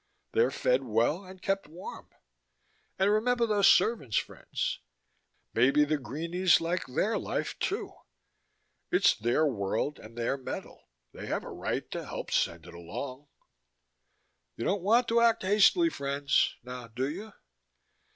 They're fed well and kept warm. And remember those servants, friends. Maybe the greenies like their life, too. It's their world and their metal they have a right to help send it along. You don't want to act hastily, friends, now do you?